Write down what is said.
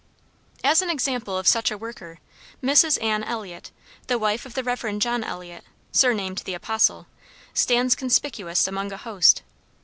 As an example of such a worker, Mrs. Ann Eliot, the wife of the Rev. John Eliot, surnamed the "Apostle," stands conspicuous among a host.